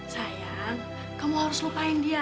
sayang kamu harus lupain dia